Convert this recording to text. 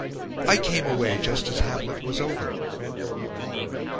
I came away just as Hamlet was over."